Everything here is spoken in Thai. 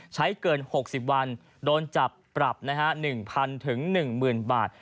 ใช้เกิน๖๐วันโดนจับปรับนะฮะ๑๐๐๑๐๐บาท